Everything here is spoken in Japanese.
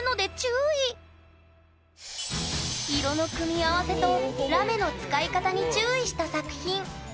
色の組み合わせとラメの使い方に注意した作品。